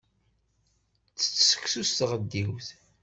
Ttett seksu s tɣeddiwt.